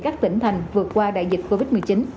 các tỉnh thành vượt qua đại dịch covid một mươi chín